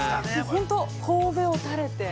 本当、こうべを垂れて。